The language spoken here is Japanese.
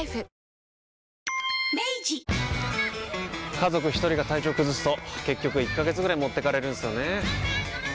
家族一人が体調崩すと結局１ヶ月ぐらい持ってかれるんすよねー。